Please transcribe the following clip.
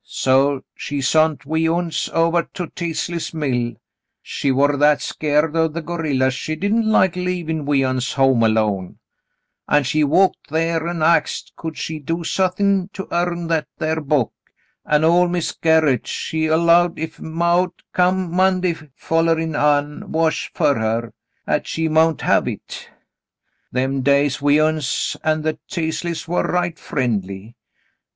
So she sont we uns ovah to Teasley's mill — she war that scared o' the Gorillas she didn't like leavin' we uns home alone — an' she walked thar an' axed could she do suthin' to earn that thar book; an' ol' Miz Gerret, she 'lowed if maw'd come Monday follerin' an' wash fer her, 'at she mount have hit. Them days we uns an' the Teas leys war right friendly.